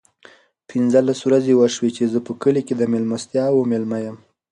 پینځلس ورځې وشوې چې زه په کلي کې د مېلمستیاوو مېلمه یم.